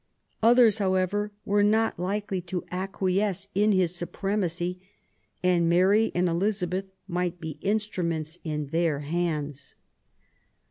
Others, however, were not likely to acquiesce in his supremacy ; and Mary and Klizabeth might be instruments in their hands.